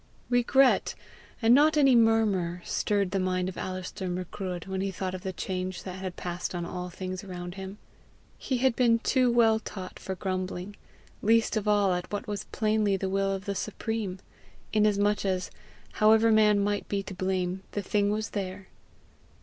Regret, and not any murmur, stirred the mind of Alister Macruadh when he thought of the change that had passed on all things around him. He had been too well taught for grumbling least of all at what was plainly the will of the Supreme inasmuch as, however man might be to blame, the thing was there.